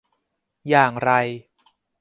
อย่างไร